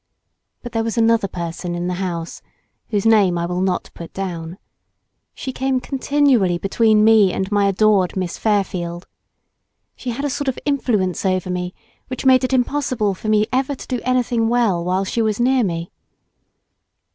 But there was another person in the house, whose name I will not put down. She came continually between me and my adored Miss Fairfield. She had a sort of influence over me which made it impossible for me ever to do anything well while she was near me.